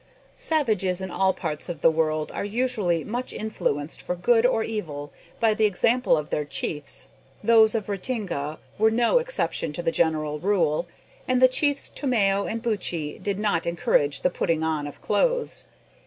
Savages in all parts of the world are usually much influenced for good or evil by the example of their chiefs. Those of Ratinga were no exception to the general rule, and the chiefs Tomeo and Buttchee did not encourage the putting on of clothes.